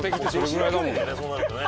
そうなるとね。